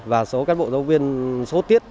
và số các bộ giáo viên số tiết